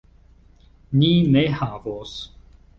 Ni ne havos!